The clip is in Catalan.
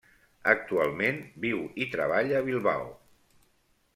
Actualment, viu i treballa a Bilbao.